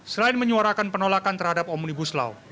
selain menyuarakan penolakan terhadap omnibus law